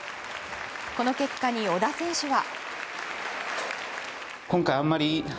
この結果に織田選手は。